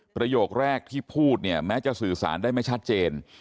ประโยคแรกที่พูดเนี่ยแม้จะสื่อสารได้ไม่ชัดเจน